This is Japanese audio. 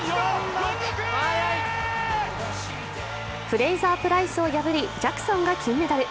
フレイザー・プライスを破りジャクソンが金メダル。